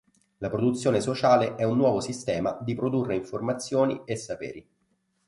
La produzione sociale è un nuovo sistema di produrre informazioni e saperi.